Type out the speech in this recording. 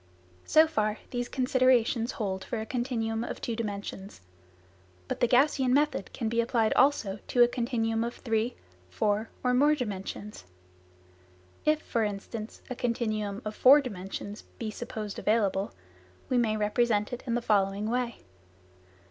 So far, these considerations hold for a continuum of two dimensions. But the Gaussian method can be applied also to a continuum of three, four or more dimensions. If, for instance, a continuum of four dimensions be supposed available, we may represent it in the following way.